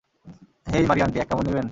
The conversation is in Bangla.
হেই, মারিয়া আন্টি, এক কামড় নিবেন?